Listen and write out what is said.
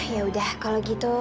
yaudah kalau gitu